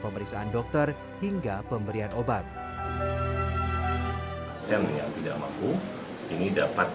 dari pengisian dokter hingga pemberian obat